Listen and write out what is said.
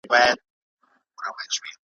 څو ورځي کېږي ,